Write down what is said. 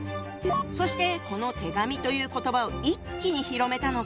そしてこの手紙という言葉を一気に広めたのが！